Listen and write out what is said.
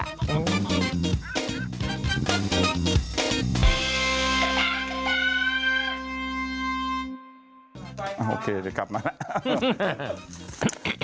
โอเคเดี๋ยวกลับมาแล้ว